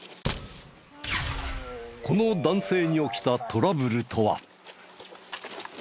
この男性に起きたトラブルとは？